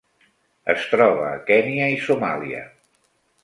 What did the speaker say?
Es troba a Kenya i Somàlia.